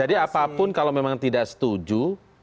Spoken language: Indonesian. jadi apapun kalau memang tidak setuju